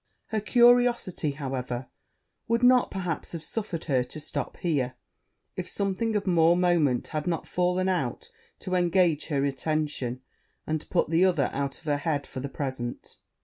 Her curiosity, however, would not, perhaps, have suffered her to stop here, if something of more moment had not fallen out to engage her attention, and put the other out of her head for the present.